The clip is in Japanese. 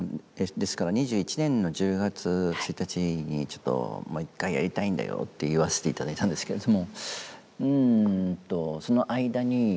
ですから２１年の１０月１日にちょっと「もう一回やりたいんだよ」って言わせて頂いたんですけれども。